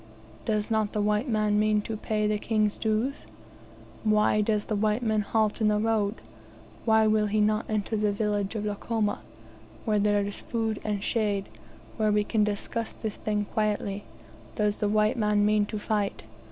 Does not the white man mean to pay the King's dues? Why does the white man halt in the road? Why will he not enter the village of Lukomo, where there is food and shade where we can discuss this thing quietly? Does the white man mean to fight?